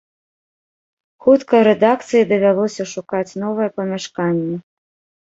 Хутка рэдакцыі давялося шукаць новае памяшканне.